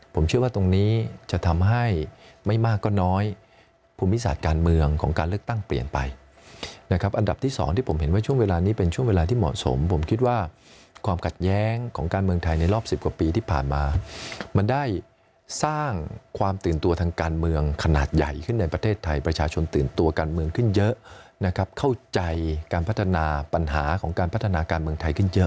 ผมเชื่อว่าตรงนี้จะทำให้ไม่มากก็น้อยภูมิศาสตร์การเมืองของการเลือกตั้งเปลี่ยนไปนะครับอันดับที่๒ที่ผมเห็นว่าช่วงเวลานี้เป็นช่วงเวลาที่เหมาะสมผมคิดว่าความกัดแย้งของการเมืองไทยในรอบ๑๐กว่าปีที่ผ่านมามันได้สร้างความตื่นตัวทางการเมืองขนาดใหญ่ขึ้นในประเทศไทยประชาชนตื่นตัวการเมือง